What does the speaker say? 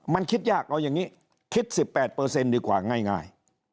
มันคิดยากเอาอย่างนี้คิด๑๘ดีกว่าง่าย